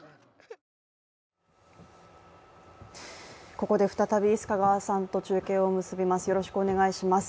ここで再び須賀川さんと中継を結びます。